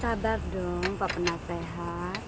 sabar dong pak penasehat